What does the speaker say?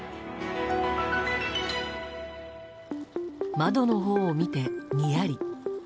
窓のほうを見て、にやり。